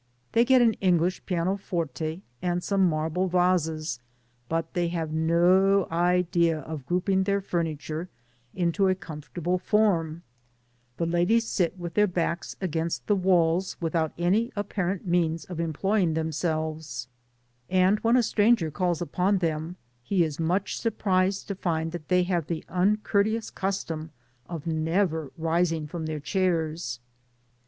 They get an English piano forte. Digitized byGoogk TOWN OF BUENOS AIRBS. 31 and some marble vases, but they have no idea of grouping thar fiuniture into a comfortable form : the ladies sit with their backs agdnst the walls with out any apparent means of employing themselves; and when a stranger calls upon them, he is much surprised to find that they have the uncourteous custom of never rising from their chairs.